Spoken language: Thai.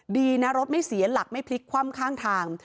ดีนะรถไม่เสียหลักไม่พลิกคว่ำข้างทาง